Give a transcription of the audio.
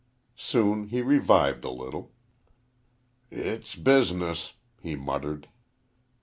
Soon he revived a little. "It's Business," he muttered.